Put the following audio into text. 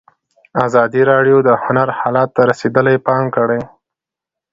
ازادي راډیو د هنر حالت ته رسېدلي پام کړی.